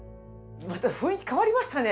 また雰囲気変わりましたね。